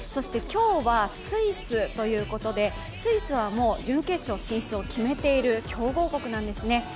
今日はスイスということで、スイスは準決勝進出を決めている強豪国なんですね。